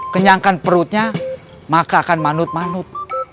kenyangkan perutnya maka akan manut manut